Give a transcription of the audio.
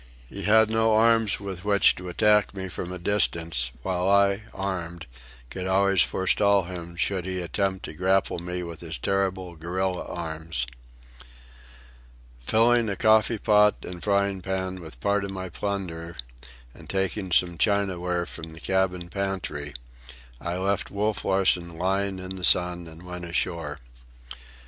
He had no arms with which to attack me from a distance; while I, armed, could always forestall him should he attempt to grapple me with his terrible gorilla arms. Filling a coffee pot and frying pan with part of my plunder, and taking some chinaware from the cabin pantry, I left Wolf Larsen lying in the sun and went ashore.